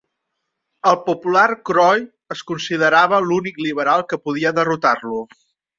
El popular Croll es considerava l'únic liberal que podia derrotar-lo.